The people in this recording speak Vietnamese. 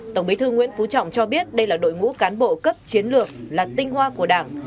tổng bí thư nguyễn phú trọng cho biết đây là đội ngũ cán bộ cấp chiến lược là tinh hoa của đảng